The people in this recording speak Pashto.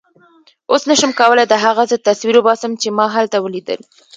اوس نه شم کولای د هغه څه تصویر وباسم چې ما هلته ولیدل.